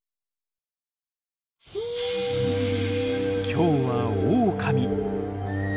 今日はオオカミ。